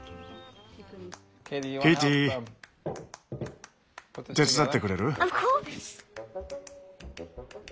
ケイティ手伝ってくれる？